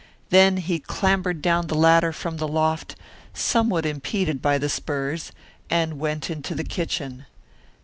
Then he clambered down the ladder from the loft, somewhat impeded by the spurs, and went into the kitchen.